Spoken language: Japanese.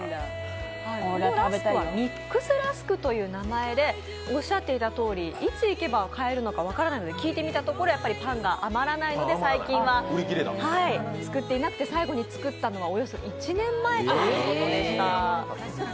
ラスクはミックス・ラスクという名前で、いつ行けば買えるか分からないので聞いてみたらやっぱりパンが余らないので最近は作っていなくて最後に作ったのはおよそ１年前ということでした。